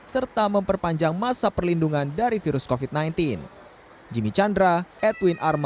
serta memperpanjang masa perlindungan dari virus covid sembilan belas